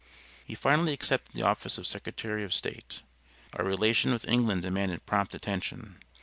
He finally accepted the office of Secretary of State. Our relation with England demanded prompt attention.